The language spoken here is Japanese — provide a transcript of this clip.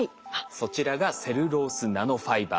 そちらがセルロースナノファイバー。